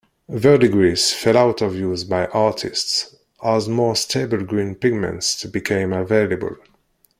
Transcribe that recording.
Verdigris fell out of use by artists as more stable green pigments became available.